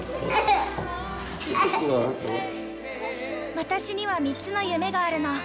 私には３つの夢があるの。